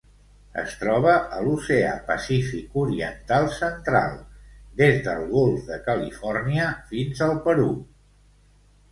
Es troba a l'Oceà Pacífic oriental central: des del Golf de Califòrnia fins al Perú.